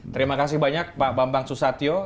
terima kasih banyak pak bambang susatyo